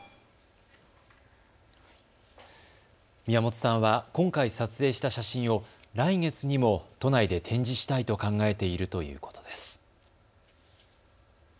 宮本さんは今回撮影した写真を来月にも都内で展示したいと考えているということです。